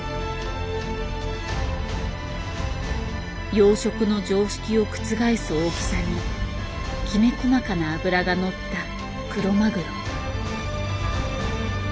養殖の常識を覆す大きさにきめ細かな脂が乗ったクロマグロ。